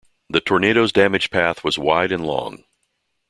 The tornado's damage path was wide and long.